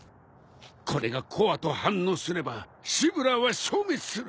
これがコアと反応すればシブラーは消滅する。